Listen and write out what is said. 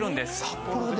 札幌で。